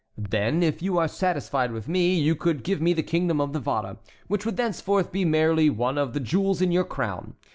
Then, if you are satisfied with me, you could give me the kingdom of Navarre, which would thenceforth be merely one of the jewels in your crown.